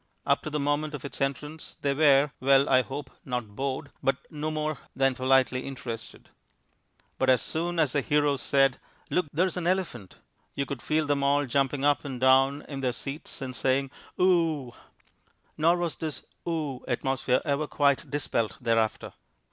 Up to the moment of its entrance they were well, I hope not bored, but no more than politely interested. But as soon as the hero said, "Look, there's an elephant," you could feel them all jumping up and down in their seats and saying "Oo!" Nor was this "Oo" atmosphere ever quite dispelled thereafter.